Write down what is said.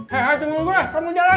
hei tunggu gue kamu jalan